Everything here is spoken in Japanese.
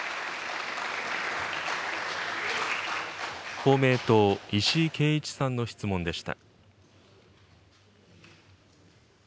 公明党、石井啓一さんの質問でした。